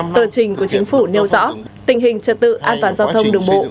tờ trình của chính phủ nêu rõ tình hình trật tự an toàn giao thông đường bộ